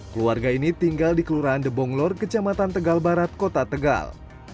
keluarga ini tinggal di kelurahan debonglor kecamatan tegal barat kota tegal